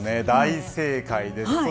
大正解です。